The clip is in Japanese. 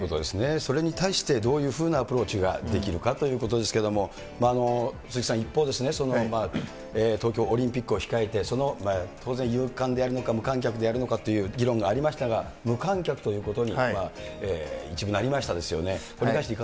それに対して、どういうふうなアプローチができるかということですけれども、鈴木さん、一方、東京オリンピックを控えて、当然、有観客であるのか無観客でやるのかという議論がありましたが、無観客ということに、一部なりましたですよね。